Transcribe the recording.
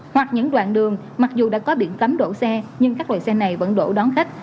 hoặc những đoạn đường mặc dù đã có biển cấm đổ xe nhưng các loại xe này vẫn đổ đón khách